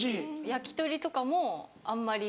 焼き鳥とかもあんまり。